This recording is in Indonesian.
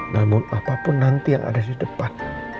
namun apapun nanti yang ada di depan